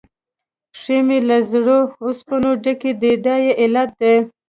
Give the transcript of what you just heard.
پښې مې له زړو اوسپنو ډکې دي، دا یې علت دی.